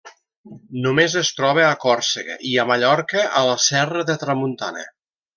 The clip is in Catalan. Només es troba a Còrsega i a Mallorca a la Serra de Tramuntana.